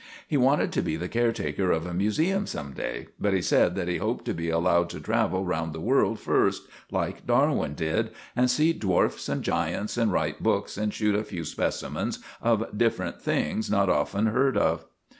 He wanted to be the caretaker of a museum some day, but said that he hoped to be allowed to travel round the world first, like Darwin did, and see dwarfs and giants, and write books, and shoot a few specimens of different things not often heard of.